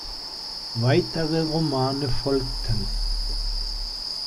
Weitere Romane folgten.